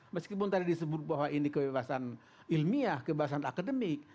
meskipun tadi disebut bahwa ini kebebasan ilmiah kebebasan akademik